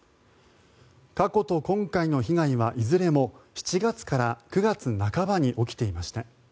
過去と今回の被害はいずれも７月から９月半ばに起きていました。